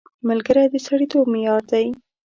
ملګری د سړیتوب معیار دی